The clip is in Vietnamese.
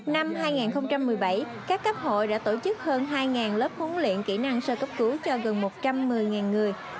năm hai nghìn một mươi bảy các cấp hội đã tổ chức hơn hai lớp huấn luyện kỹ năng sơ cấp cứu cho gần một trăm một mươi người